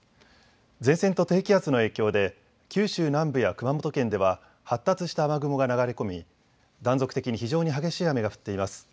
前線と低気圧の影響で九州南部や熊本県では発達した雨雲が流れ込み断続的に非常に激しい雨が降っています。